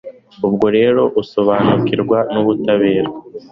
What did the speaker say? ubwo rero, uzasobanukirwa n'ubutabera